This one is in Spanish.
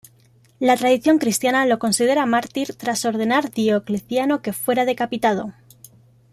La tradición cristiana lo considera mártir tras ordenar Diocleciano que fuera decapitado.